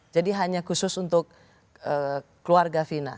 jadi hanya khusus untuk keluarga vina